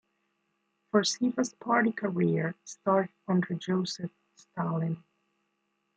Furtseva's party career started under Joseph Stalin.